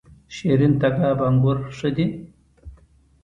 شیرین تګاب انګور ښه دي؟